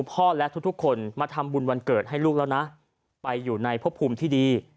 ทุกคนและทุกคนมาทำบุญวันเกิดให้ลูกแล้วนะไปอยู่ในพบภูมิที่ดี